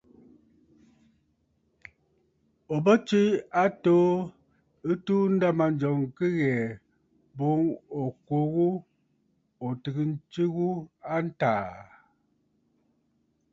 Ò bə tswe a atoo ɨ tuu a ndâmanjɔŋ kɨ ghɛ̀ɛ̀ boŋ ò kwo ghu ò tɨgə̀ ntswe ghu a ntàà.